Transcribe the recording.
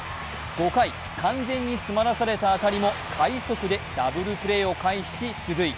５回、完全に詰まらされた当たりも快足でダブルプレーを回避し出塁。